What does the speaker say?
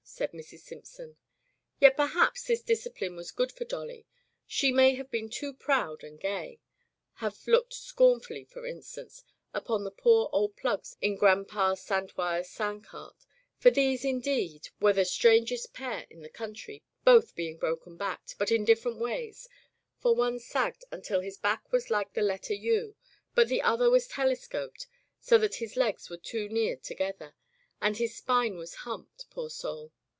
'* said Mrs. Simpson. Yet perhaps this discipline was good for Dolly. She may have been too proud and gay, have looked scornfully, for instance, upon the poor old plugs in Gran'pa Sant wire's sand cart, for these, indeed, were the Digitized by LjOOQ IC Interventions strangest pair in the country^ both being broken backedy but in different ways, for one sagged until his back was like the letter U, but the other was telescoped so that his legs were too near together, and his spine was humped, poor soul!